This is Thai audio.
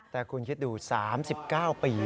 แต่คุณคิดดู๓๙ปี